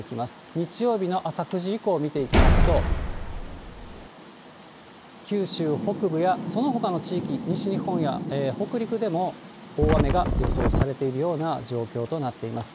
日曜日の朝９時以降を見ていきますと、九州北部や、そのほかの地域、西日本や北陸でも大雨が予想されているような状況となっています。